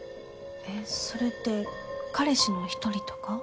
えっそれって彼氏の一人とか？